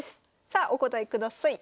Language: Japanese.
さあお答えください。